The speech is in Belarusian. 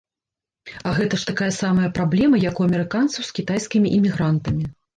А гэта ж такая самая праблема, як у амерыканцаў з кітайскімі імігрантамі.